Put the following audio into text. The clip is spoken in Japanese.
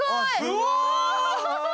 うわ！